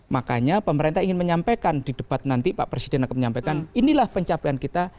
makanya pemerintah ingin menyampaikan di debat nanti pak presiden akan menyampaikan inilah pencapaian kita